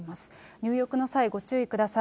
入浴の際、ご注意ください。